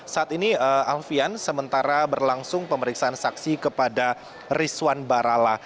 saat ini alfian sementara berlangsung pemeriksaan saksi kepada rizwan barala